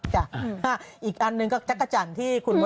ใช่ก็จริง